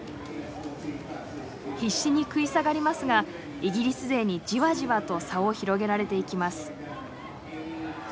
必死に食い下がりますがイギリス勢にじわじわと差を広げられていきます。